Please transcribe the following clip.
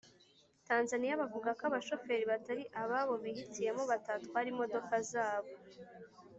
Tanzaniya bavuga ko abashoferi batari ababo bihitiyemo batatwara imodoka zabo